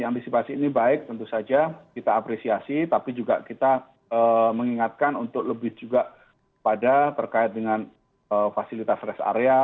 antisipasi ini baik tentu saja kita apresiasi tapi juga kita mengingatkan untuk lebih juga pada terkait dengan fasilitas rest area